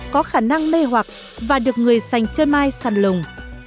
có khả năng mê hoặc và được người sành chơi mai sàn lồng